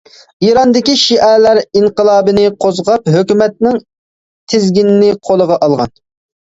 ئىراندىكى شىئەلەر ئىنقىلابىنى قوزغاپ، ھۆكۈمەتنىڭ تىزگىنىنى قولىغا ئالغان.